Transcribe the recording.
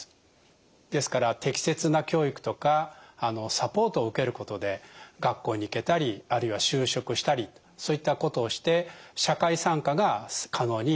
ですから適切な教育とかサポートを受けることで学校に行けたりあるいは就職したりそういったことをして社会参加が可能になっていきます。